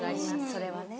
それはね。